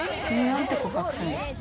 何て告白するんですか？